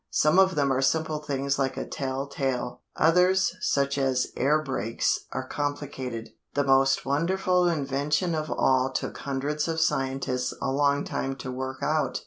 Some of them are simple things like a tell tale. Others, such as air brakes, are complicated. The most wonderful invention of all took hundreds of scientists a long time to work out.